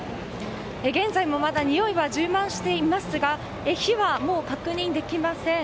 現在もまだにおいは充満していますが火はもう確認できません。